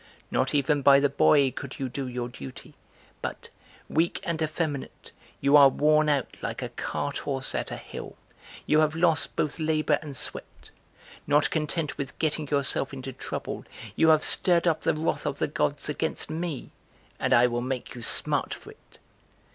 Not even by the boy could you do your duty but, weak and effeminate, you are worn out like a cart horse at a hill, you have lost both labor and sweat! Not content with getting yourself into trouble, you have stirred up the wrath of the gods against me {and I will make you smart for it."